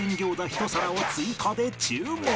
１皿を追加で注文。